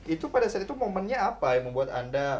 itu pada saat itu momennya apa yang membuat anda